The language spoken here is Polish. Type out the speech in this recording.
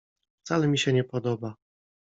Wcale mi się nie podoba.